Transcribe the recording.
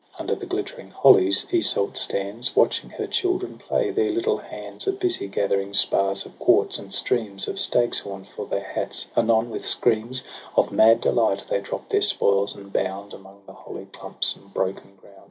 Under the glittering hollies Iseult stands Watching her children play ; their little hands Are busy gathering spars of quartz, and streams Of stagshorn for their hats ; anon, with screams Of mad delight they drop their spoils, and bound Among the holly clumps and broken ground.